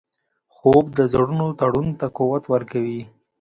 خوب د زړونو تړون ته قوت ورکوي